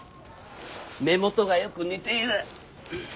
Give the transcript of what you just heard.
目元がよく似ている。